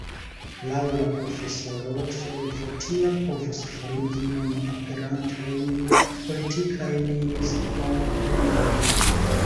Laŭ la profesoro, solvo tia povus forigi nun aperantajn politikajn miskomprenojn.